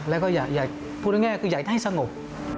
แล้วก็อยากพูดง่ายคืออยากให้สงบ